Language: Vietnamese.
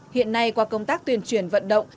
hiện nay qua công tác tuyển chuyển vận động